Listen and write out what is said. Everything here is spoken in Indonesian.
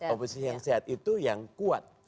oposisi yang sehat itu yang kuat